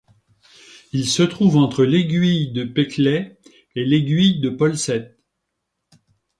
Il se trouve entre l'aiguille de Péclet et l'aiguille de Polset.